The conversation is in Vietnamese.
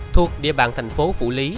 thuộc địa bàn thành phố phủ lý